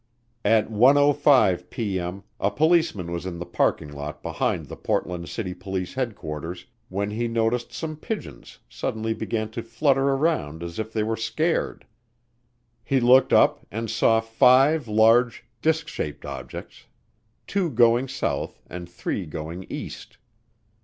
At 1:05P.M. a policeman was in the parking lot behind the Portland City Police Headquarters when he noticed some pigeons suddenly began to flutter around as if they were scared. He looked up and saw five large disk shaped objects, two going south and three going east.